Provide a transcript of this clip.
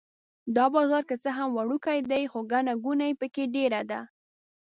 دا بازار که څه هم وړوکی دی خو ګڼه ګوڼه په کې ډېره ده.